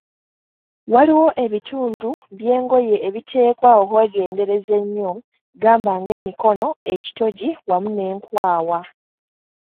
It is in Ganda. Waliwo ebitundu by'engoye ebiteekwa okwegendereza ennyo, gamba ng'emikono, ekitogi wamu n'enkwawa.